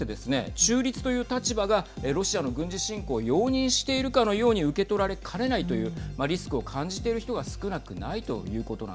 中立という立場がロシアの軍事侵攻を容認しているかのように受け取られかねないというリスクを感じている人が少なくないはい。